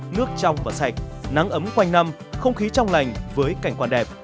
nước trong và sạch nắng ấm quanh năm không khí trong lành với cảnh quan đẹp